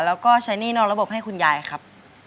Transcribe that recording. แล้วก็ใช้หนี้นอกระบบให้คุณยายครับ